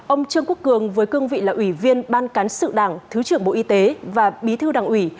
ông trương quốc cường với cương vị là ủy viên ban cán sự đảng thứ trưởng bộ y tế và bí thư đảng ủy